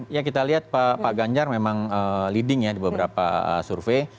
ya kita lihat pak ganjar memang leading ya di beberapa survei